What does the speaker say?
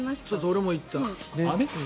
俺も行った。